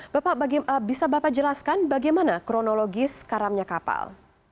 bapak bisa bapak jelaskan bagaimana kronologis karamnya kapal